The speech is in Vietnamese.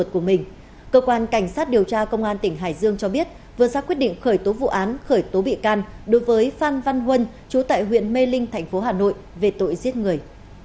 cơ quan cảnh sát điều tra công an tỉnh hải dương cho biết vừa ra quyết định khởi tố vụ án khởi tố bị can đối với phan văn huân chú tại huyện mê linh thành phố hà nội về tội giết người